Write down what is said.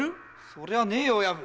そりゃねえよ親分！